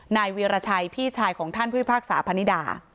นายวีรชัยพี่ชายของท่านผู้พิพากษาพนิดา